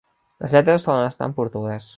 Les lletres solen estar en portuguès.